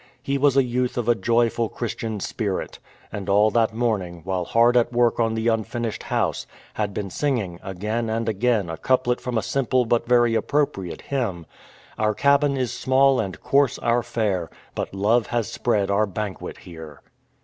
He was a youth of a joyful Christian spirit, and all that morning, while hard at work on the unfinished house, had been singing again and again a couplet from a simple but very appropriate hymn — Our cabin is small and coarse our fare. But love has spread our banquet here.